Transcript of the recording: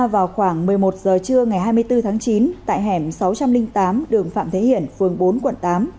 vào khoảng một mươi một h trưa ngày hai mươi bốn tháng chín tại hẻm sáu trăm linh tám đường phạm thế hiển phường bốn quận tám